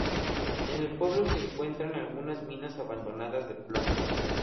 En el pueblo se encuentran algunas minas abandonadas de plomo.